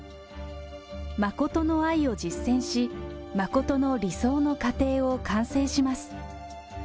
真の愛を実践し、真の理想の家庭を完成します。